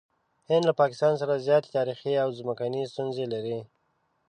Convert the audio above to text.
هند له پاکستان سره زیاتې تاریخي او ځمکني ستونزې لري.